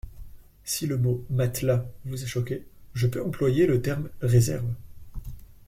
Si le mot « matelas » vous a choqué, je peux employer le terme « réserves ».